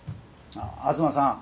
あっ東さん。